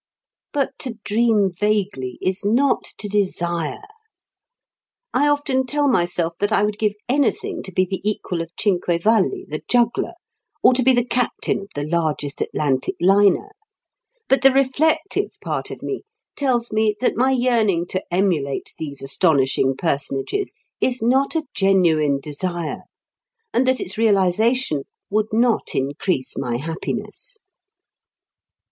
But to dream vaguely is not to desire. I often tell myself that I would give anything to be the equal of Cinquevalli, the juggler, or to be the captain of the largest Atlantic liner. But the reflective part of me tells me that my yearning to emulate these astonishing personages is not a genuine desire, and that its realization would not increase my happiness.